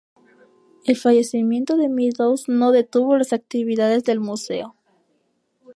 El fallecimiento de Meadows no detuvo las actividades del museo.